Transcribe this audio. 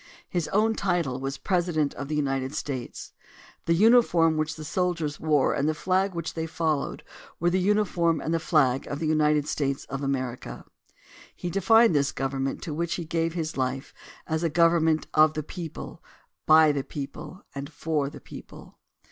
His own title was President of the United States; the uniform which the soldiers wore and the flag they followed were the uniform and the flag of the United States of America. He defined this government to which he gave his life as a "government of the people, by the people and for the people."